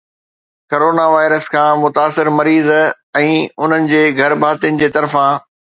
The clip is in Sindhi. ڪورونا وائرس کان متاثر مريضن ۽ انهن جي گهرڀاتين جي طرفان